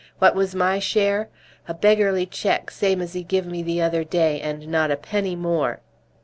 "What was my share? A beggarly check same as he give me the other day, and not a penny more!"